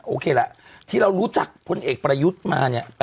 โอเคล่ะที่เรารู้จักพลเอกประยุทธ์มาเนี่ย